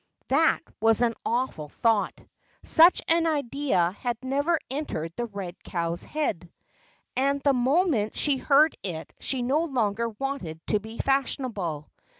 That was an awful thought. Such an idea had never entered the red cow's head. And the moment she heard it she no longer wanted to be fashionable.